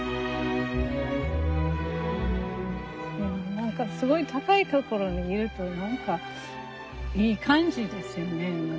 何かすごい高い所見ると何かいい感じですよね。